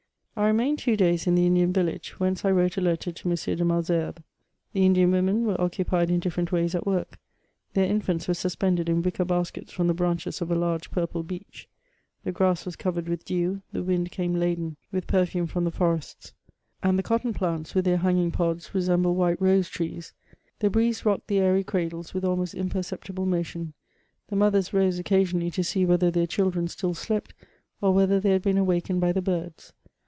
I REMAINED two days in the Indian village, whence I wrote a letter to M. de Malesherbes. The Indian women were occupied in different ways at work ; their infants were suspended in wicker baskets from the branches of a large purple beech. The grass was covered with dew, the wind came laden with perfume firom 274 MEMOIBS OF the forests, and the cotton plants, with their hanging pods, resem bled white rose trees. The breeze rocked the airy cradles with almost imperceptible motion ; the mothers rose occasionally to see whether their cnildren still slept, or whether they had been awak ened by the birds.